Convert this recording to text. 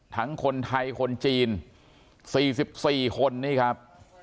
ทั้งคนไทยคนจีน๔๔คนนี่ครับ